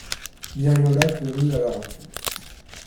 Miriola courut à leur rencontre.